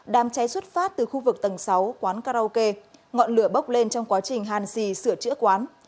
đàm cháy xuất phát từ khu vực tầng sáu quán karaoke ngọn lửa bốc lên trong quá trình hàn xì sửa chữa quán